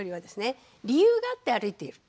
理由があって歩いている。